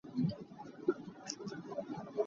Thil conh ka'an duh.